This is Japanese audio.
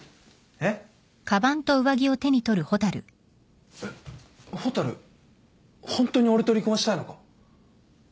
えっ蛍ホントに俺と離婚したいのか？